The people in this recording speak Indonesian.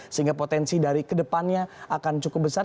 sehingga potensi dari kedepannya akan cukup besar